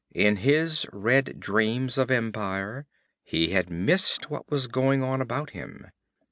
In his red dreams of empire he had missed what was going on about him.